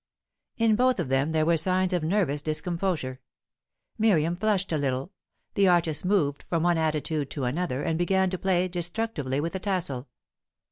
In both of them there were signs of nervous discomposure. Miriam flushed a little; the artist moved from one attitude to another, and began to play destructively with a tassel.